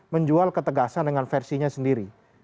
menjual ketegasan dengan versinya sendiri